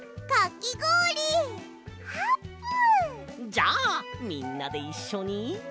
じゃあみんなでいっしょに。